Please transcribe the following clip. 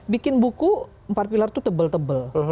bikin buku empat pilar itu tebel tebel